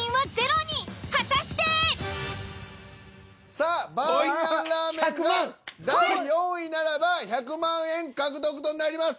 さあバーミヤンラーメンが第４位ならば１００万円獲得となります。